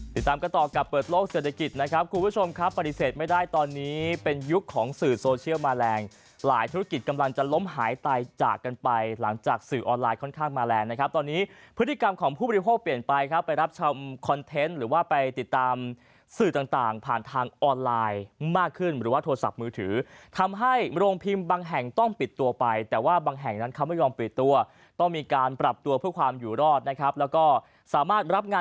ติดตามกันต่อกับเปิดโลกเศรษฐกิจนะครับคุณผู้ชมครับปฏิเสธไม่ได้ตอนนี้เป็นยุคของสื่อโซเชียลมาแรงหลายธุรกิจกำลังจะล้มหายตายจากกันไปหลังจากสื่อออนไลน์ค่อนข้างมาแรงนะครับตอนนี้พฤติกรรมของผู้บริโภคเปลี่ยนไปครับไปรับช่องคอนเทนต์หรือว่าไปติดตามสื่อต่างผ่านทางออนไลน์มากขึ้นห